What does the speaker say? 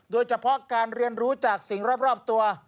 โดยเฉพาะการเรียนรู้จากสิ่งรอบตัว